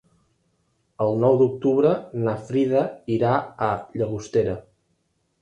El nou d'octubre na Frida irà a Llagostera.